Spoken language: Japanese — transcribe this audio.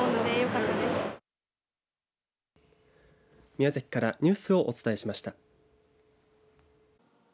宮崎からニュースをお伝えしました。